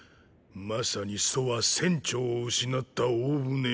正に楚は船長を失った大船。